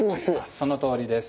そのとおりです。